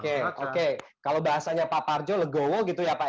oke oke kalau bahasanya pak parjo legowo gitu ya pak